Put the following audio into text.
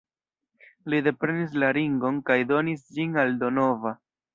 Li deprenis la ringon kaj donis ĝin al Donova.